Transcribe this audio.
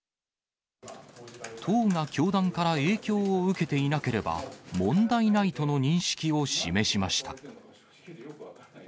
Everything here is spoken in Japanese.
党が教団から影響を受けていなければ、問題ないとの認識を示しました。